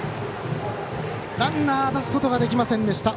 ランナー出すことができませんでした。